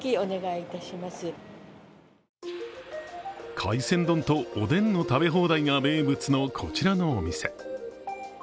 海鮮丼と、おでんの食べ放題が名物のこちらのお店。